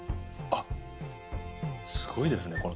あっすごいですね